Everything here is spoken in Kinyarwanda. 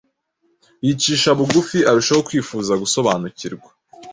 yicisha bugufi arushaho kwifuza gusobanukirwa.